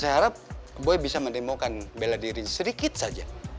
saya harap boy bisa mendemokan bela diri sedikit saja